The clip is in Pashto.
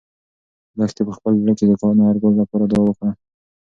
لښتې په خپل زړه کې د انارګل لپاره دعا وکړه.